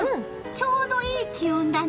ちょうどいい気温だね。